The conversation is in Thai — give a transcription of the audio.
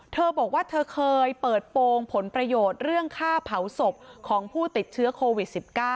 เธอบอกว่าเธอเคยเปิดโปรงผลประโยชน์เรื่องค่าเผาศพของผู้ติดเชื้อโควิด๑๙